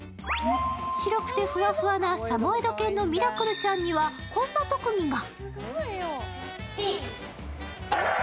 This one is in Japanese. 白くてふわふわなサモエド犬のミラクルちゃんには、こんな特技が。